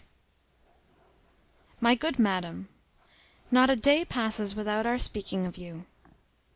MY GOOD MADAM: Not a day passes without our speaking of you.